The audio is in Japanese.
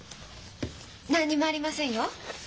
何にもありませんよ。